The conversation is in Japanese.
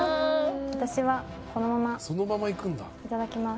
私はこのままいただきます。